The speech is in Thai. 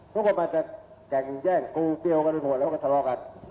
ทุกคนมันจะแกล้งแย่งกูเตียวกันหมดแล้วก็สะลอกัน